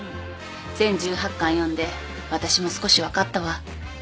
全１８巻読んで私も少し分かったわ。